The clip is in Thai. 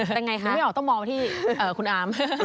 แต่ไงคะนึกไม่ออกต้องมองไปที่คุณอาม